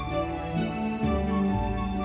semua orang terkagumkan